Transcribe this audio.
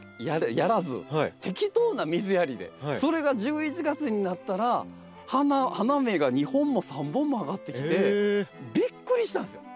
それが１１月になったら花芽が２本も３本もあがってきてびっくりしたんですよ。